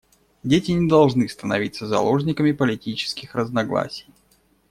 Дети не должны становиться заложниками политических разногласий.